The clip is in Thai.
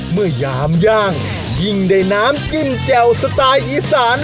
เมื่อย้ามย่างยิ่งในน้ำจิ้มแจ่วสไตล์อิสาน